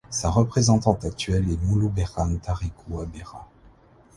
Sa représentante actuelle est Muluberhan Tariku Abera.